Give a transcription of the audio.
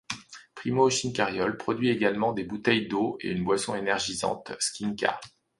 Primo Schincariol produit également des bouteilles d'eau et une boisson énergisante, Skinka.